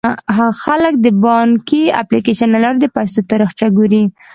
خلک د بانکي اپلیکیشن له لارې د پيسو تاریخچه ګوري.